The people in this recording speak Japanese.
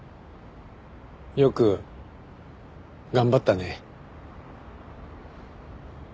よく頑張ったね。